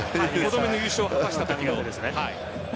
５度目の優勝を果たしたときの。